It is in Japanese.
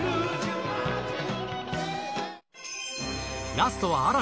ラストは嵐。